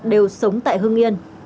đều sống tại hương yên